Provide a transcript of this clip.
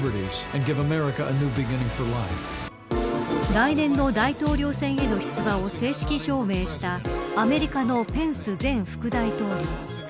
来年の大統領選への出馬を正式表明したアメリカのペンス前副大統領。